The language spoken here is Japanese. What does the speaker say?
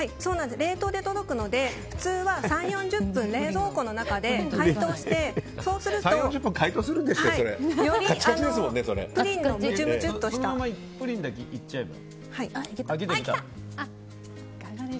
冷凍で届くので普通は３０４０分冷蔵庫の中で解凍して、そうするとよりプリンのプリンだけいっちゃえば？